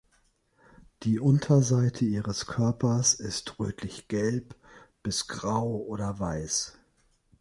Die Unterseite ihres Körpers ist rötlichgelb bis grau oder weiß.